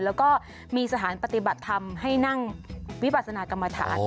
แล้วก็มีสถานปฏิบัติธรรมให้นั่งวิปัสนากรรมฐาน